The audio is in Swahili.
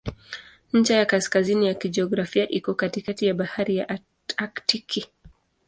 Ncha ya kaskazini ya kijiografia iko katikati ya Bahari ya Aktiki.